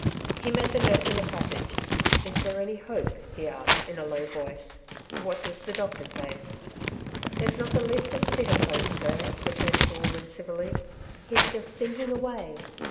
He met the nurse in the passage. " Is there any hope ?" he asked in a low voice. " What does the doctor say ?"" There's not the leastest bit of hope, sir," returned the woman civilly. '* He's just sinking away.